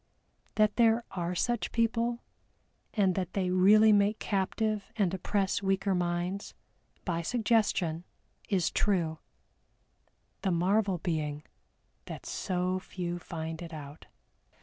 That there are such people, and that they really make captive and oppress weaker minds, by suggestion, is true; the marvel being that so few find it out.